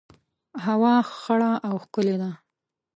هوا خړه او ښکلي ده